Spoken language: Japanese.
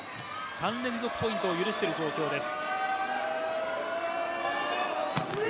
３連続ポイントを許している状況です。